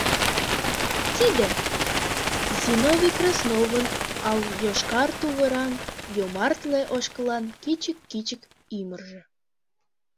Тиде — Зиновий Красновын ал-йошкар тувыран, йомартле ошкылан кӱчык-кӱчык ӱмыржӧ».